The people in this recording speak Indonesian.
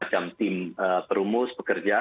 macam tim perumus pekerja